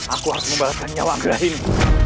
aku harus membalaskan nyawa aku lah ini